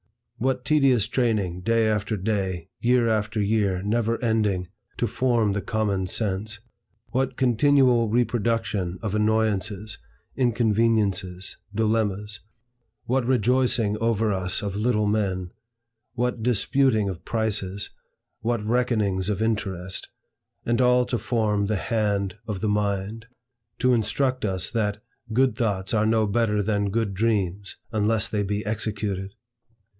What tedious training, day after day, year after year, never ending, to form the common sense; what continual reproduction of annoyances, inconveniences, dilemmas; what rejoicing over us of little men; what disputing of prices, what reckonings of interest, and all to form the Hand of the mind; to instruct us that "good thoughts are no better than good dreams, unless they be executed!"